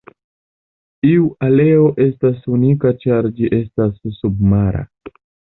Iu aleo estas unika ĉar ĝi estas submara.